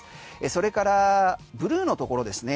それからブルーのところですね。